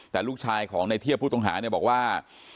แต่ลูกชายของในเทียบผู้ต้องหาเนี่ยบอกว่า